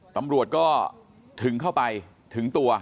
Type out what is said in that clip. ตำรวจก็ถึงเข้าไปถึงตัว